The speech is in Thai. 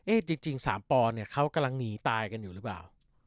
เอ๊ะจริง๓ปเขากำลังหนีตายกันอยู่หรือเปล่า